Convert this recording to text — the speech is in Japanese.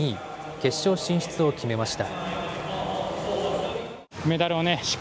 決勝進出を決めました。